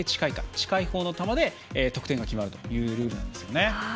近いほうの球で得点が決まるというルールですね。